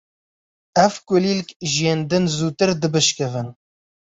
Ev kulîlk ji yên din zûtir dibişkivin.